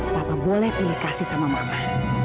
papa boleh dia kasih sama mama